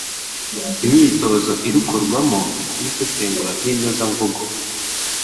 Imyitozo irukorwamo y'isesengura n'inozamvugo